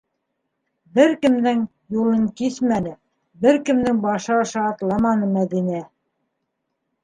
Бер кемдең юлын киҫмәне, бер кемдең башы аша атламаны Мәҙинә.